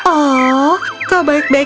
oh kau baik baik